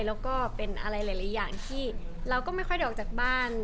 แล้วก็เป็นอะไรหลายอย่างที่เราก็ไม่ค่อยได้ออกจากบ้าน